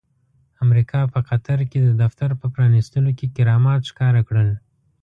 امريکا په قطر کې د دفتر په پرانستلو کې کرامات ښکاره کړل.